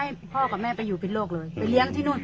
ให้พ่อกับแม่ไปอยู่เป็นโรคเลยไปเลี้ยงที่นู่น